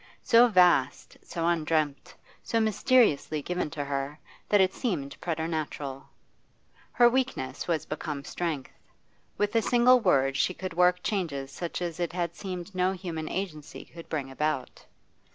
So vast, so undreamt, so mysteriously given to her, that it seemed preternatural. Her weakness was become strength; with a single word she could work changes such as it had seemed no human agency could bring about.